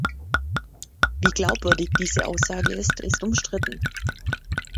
Wie glaubwürdig diese Aussage ist, ist umstritten.